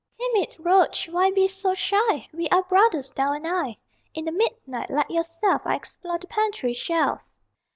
Timid roach, why be so shy? We are brothers, thou and I. In the midnight, like yourself, I explore the pantry shelf!